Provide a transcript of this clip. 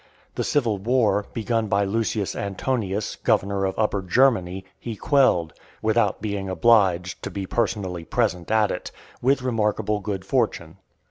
The civil war, begun by Lucius Antonius, governor of Upper Germany, he quelled, without being obliged to be personally present at it, with remarkable good fortune.